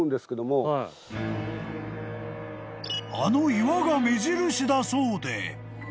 ［あの岩が目印だそうで］